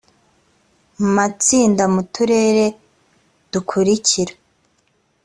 matsinda mu turere dukurikira